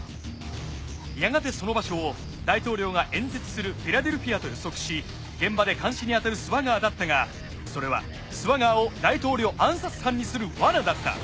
やがてその場所を大統領が演説するフィラデルフィアと予測し現場で監視にあたるスワガーだったがそれはスワガーを大統領暗殺犯にするワナだった。